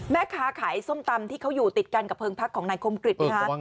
แม่ค้าขายส้มตำที่เขาอยู่ติดกันกับเพลิงพักของนายคมกริจนะคะ